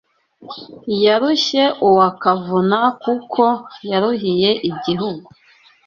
Yarushye uwa Kavuna Kuko yaruhiye igihugu